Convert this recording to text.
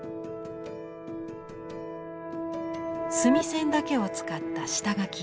墨線だけを使った下描き。